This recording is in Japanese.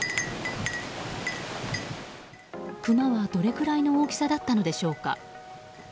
クマは、どれくらいの大きさだったのでしょうか。